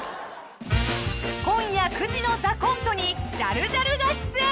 ［今夜９時の『ＴＨＥＣＯＮＴＥ』にジャルジャルが出演］